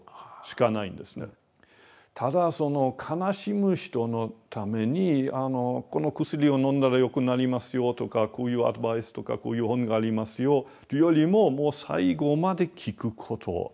ただその悲しむ人のためにこの薬を飲んだら良くなりますよとかこういうアドバイスとかこういう本がありますよというよりももう最後まで聞くこと。